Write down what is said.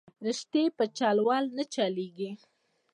رشتې په چل ول نه چلېږي